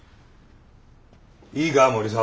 いいか森澤。